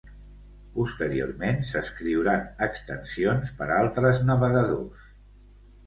Posteriorment s'escriuran extensions per altres navegadors.